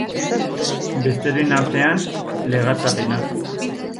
Besteren artean, legatzarena.